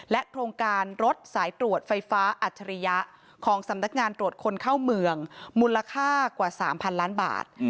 โครงการรถสายตรวจไฟฟ้าอัจฉริยะของสำนักงานตรวจคนเข้าเมืองมูลค่ากว่า๓๐๐๐ล้านบาท